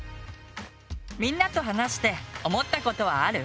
みんなと話して思ったことはある？